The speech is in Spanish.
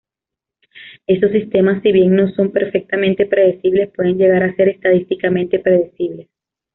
Esos sistemas si bien no son perfectamente predecibles pueden llegar a ser estadísticamente predecibles.